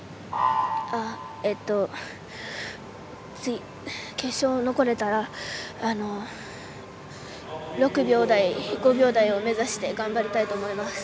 次、決勝に残れたら６秒台、５秒台を目指して頑張りたいと思います。